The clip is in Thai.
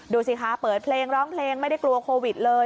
ดูสิคะเปิดเพลงร้องเพลงไม่ได้กลัวโควิดเลย